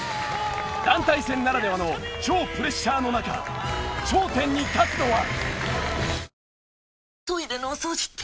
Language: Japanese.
団体戦ならではの超プレッシャーの中頂点に立つのは？